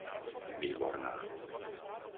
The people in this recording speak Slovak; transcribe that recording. Výborná